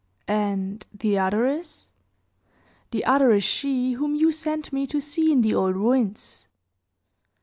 "And the other is?" "The other is she whom you sent me to see in the old ruins.